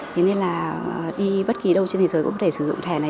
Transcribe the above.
thế nên là đi bất kỳ đâu trên thế giới cũng có thể sử dụng thẻ này